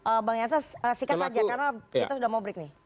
karena kita sudah mau break nih